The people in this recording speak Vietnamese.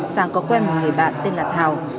sáng có quen một người bạn tên là thảo